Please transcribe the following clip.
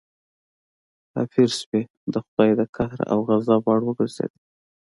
کافر شوې د خدای د قهر او غضب وړ وګرځېدې.